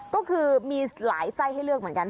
ก็คือมีหลายไส้ให้เลือกเหมือนกัน